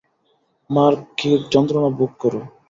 Mark, Keith, যন্ত্রণা ভোগ করো।